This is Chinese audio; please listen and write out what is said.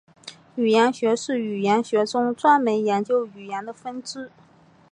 语音学是语言学中专门研究语音的分支。